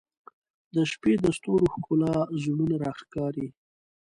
• د شپې د ستورو ښکلا زړونه راښکاري.